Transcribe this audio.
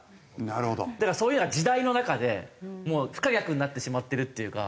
だからそういうような時代の中でもう不可逆になってしまってるっていうか。